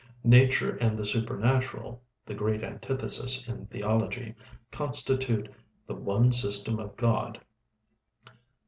'Nature and the Supernatural' the great antithesis in theology constitute 'The One System of God.'